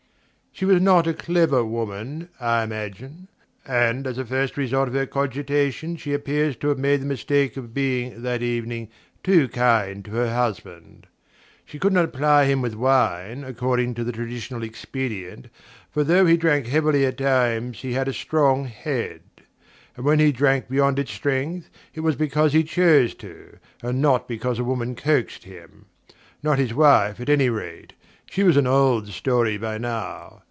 She was not a clever woman, I imagine; and as the first result of her cogitation she appears to have made the mistake of being, that evening, too kind to her husband. She could not ply him with wine, according to the traditional expedient, for though he drank heavily at times he had a strong head; and when he drank beyond its strength it was because he chose to, and not because a woman coaxed him. Not his wife, at any rate she was an old story by now.